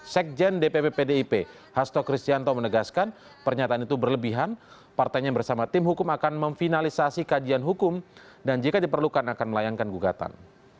sekjen dpp pdip hasto kristianto menegaskan pernyataan itu berlebihan partainya bersama tim hukum akan memfinalisasi kajian hukum dan jika diperlukan akan melayangkan gugatan